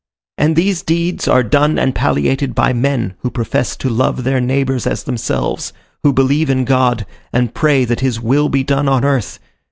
And these deeds are done and palliated by men, who profess to love their neighbours as themselves, who believe in God, and pray that his Will be done on earth!